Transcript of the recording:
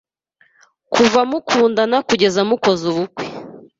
kuva mukundana kugera mukoze ubukwe.